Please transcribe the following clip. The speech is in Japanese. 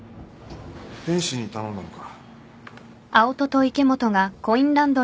天使に頼んだのか？